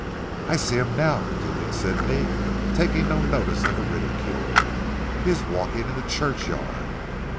"I see him now," continued Sidney taking no notice of the ridicule. "He is walking in the churchyard."